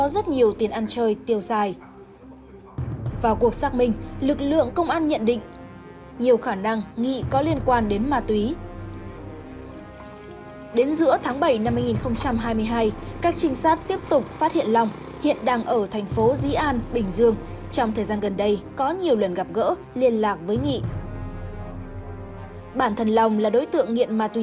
sau nhiều ngày trinh sát các lực lượng công an lâm đồng loạt đột kích vào căn nhà thuộc thôn ba xã quảng trị huyện đà thẻ bắt quả tàng long và nghị đang mua bán trái phép ma túy